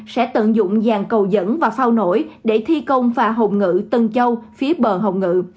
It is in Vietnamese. sẽ tận dụng dàn cầu dẫn và phao nổi để thi công phà hồng ngự tân châu phía bờ hồng ngự